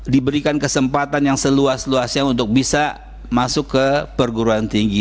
diberikan kesempatan yang seluas luasnya untuk bisa masuk ke perguruan tinggi